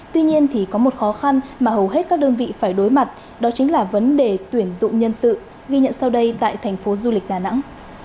tuy nhiên thì có một khó khăn mà hầu hết các đơn vị phải đối mặt đó chính là vấn đề tuyển dụng nhân sự ghi nhận sau đây tại thành phố du lịch đà nẵng